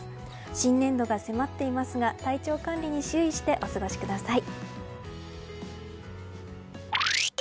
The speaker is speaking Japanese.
新年度が迫っていますが体調管理に注意してお過ごしください。